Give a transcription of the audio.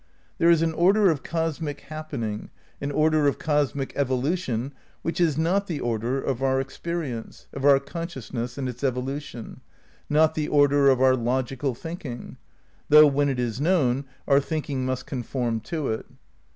There is an order of cosmic happening, an order of oos mio evolution, which is not the order of our experience, of our consciousness and its evolution ; not the order of our logical thinking, though when it is known our think ing must conform to it.